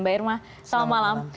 mbak irma selamat malam